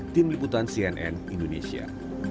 tim liputan cnn indonesia